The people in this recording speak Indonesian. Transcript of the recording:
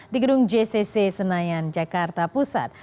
di gedung jcc senayan jakarta pusat